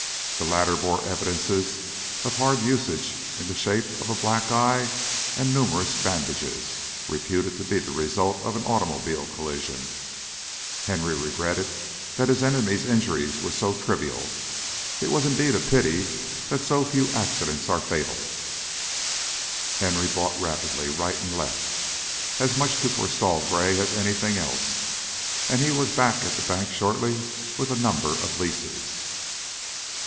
The latter bore evidences of hard usage in the shape of a black eye and numerous bandages, reputed to be the result of an automobile collision. Henry regretted that his enemy's injuries were so trivial. It was indeed a pity that so few accidents are fatal. He bought rapidly, right and left, as much to forestall Gray as anything else, and he was back at the bank shortly with a number of leases.